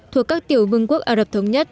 thuộc các tiểu vương quốc ả rập thống nhất